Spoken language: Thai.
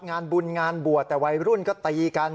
งานบุญงานบวชแต่วัยรุ่นก็ตีกัน